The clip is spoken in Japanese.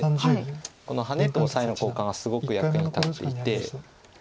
このハネとオサエの交換がすごく役に立っていて。